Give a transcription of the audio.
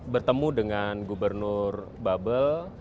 bertemu dengan gubernur babel